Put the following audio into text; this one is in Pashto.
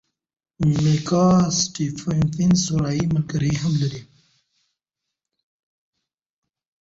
میکا سټیفنز سوریایي ملګری هم لري.